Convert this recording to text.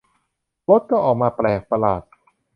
รสก็ออกมาแปลกประหลาด